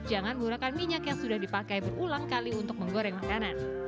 jangan menggunakan minyak yang sudah dipakai berulang kali untuk menggoreng makanan